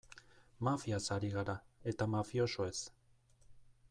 Mafiaz ari gara, eta mafiosoez.